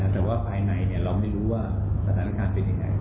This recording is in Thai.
แต่ว่าภายในเราไม่รู้ว่าสถานการณ์เป็นยังไง